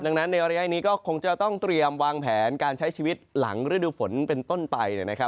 ดังนั้นในระยะนี้ก็คงจะต้องเตรียมวางแผนการใช้ชีวิตหลังฤดูฝนเป็นต้นไป